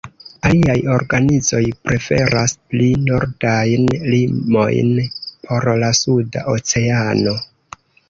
Aliaj organizoj preferas pli nordajn limojn por la Suda Oceano.